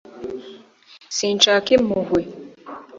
sinshaka impuhwe